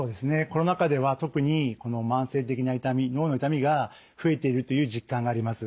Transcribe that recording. コロナ禍では特に慢性的な痛み脳の痛みが増えているという実感があります。